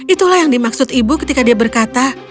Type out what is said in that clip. itulah yang dimaksud ibu ketika dia berkata